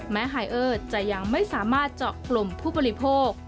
แม้ฮายเออร์จะยังไม่สามารถเจาะกรุ่มผู้ปฏิพกษ์